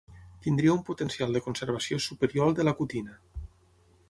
Tindria un potencial de conservació superior al de la cutina.